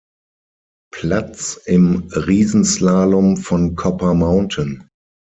Platz im Riesenslalom von Copper Mountain.